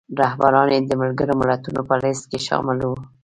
رهبران یې د ملګرو ملتونو په لیست کې شامل وو.